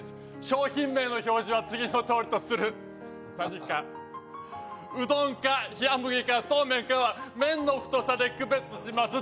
商品名の表示は次のとおりとする何かうどんかひやむぎかそうめんかは麺の太さで区別します